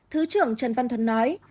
thứ trưởng trần văn thuấn nói